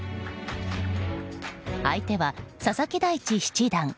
相手は佐々木大地七段。